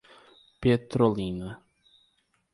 Petrolina